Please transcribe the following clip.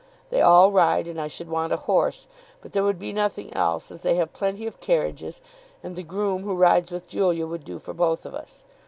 They all ride, and I should want a horse; but there would be nothing else, as they have plenty of carriages, and the groom who rides with Julia would do for both of us.